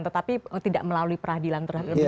tetapi tidak melalui peradilan terlebih